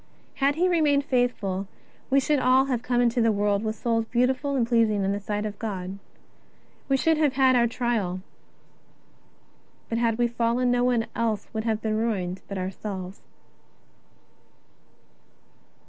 Had he remained faithful, we should all have come into the world with souls beautiful and pleasing in the sight of God. We should have had our trial, but had we fallen no one would have been ruined but ourselves.